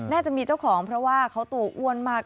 น่าจะมีเจ้าของเพราะว่าเขาตัวอ้วนมาก